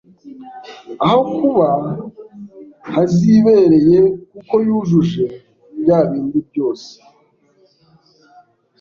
aho kuba hazibereye kuko yujuje bya bindi byose